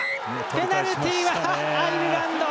ペナルティはアイルランド。